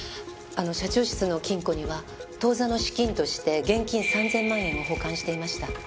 あの社長室の金庫には当座の資金として現金３０００万円を保管していました。